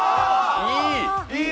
いい！